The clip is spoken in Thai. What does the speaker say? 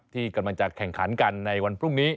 ที่กำลังจะแข่งขันกันในวันพรุ่งนี้